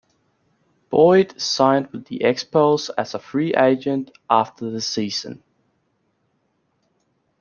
Boyd signed with the Expos as a free agent after the season.